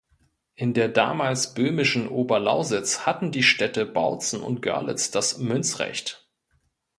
In der damals böhmischen Oberlausitz hatten die Städte Bautzen und Görlitz das Münzrecht.